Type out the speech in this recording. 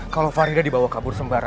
kalau farida dibawa kabur sembara